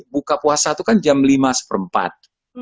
buka puasa itu kan jam lima seperempat